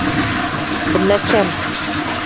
Bina cem.